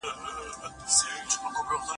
د هستۍ ټوله مانا بدلیږي،